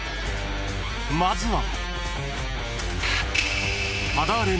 ［まずは］